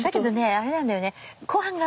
あれなんだよね。